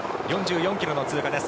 ４４ｋｍの通過です。